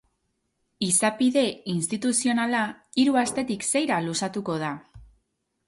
Izapide instituzionala hiru astetik seira luzatuko da.